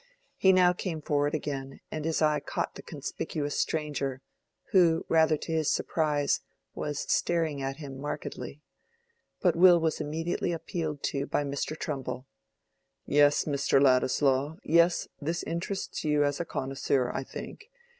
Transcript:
He now came forward again, and his eye caught the conspicuous stranger, who, rather to his surprise, was staring at him markedly. But Will was immediately appealed to by Mr. Trumbull. "Yes, Mr. Ladislaw, yes; this interests you as a connoiss_ure_, I think.